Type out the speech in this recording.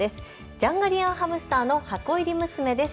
ジャンガリアンハムスターの箱入り娘です。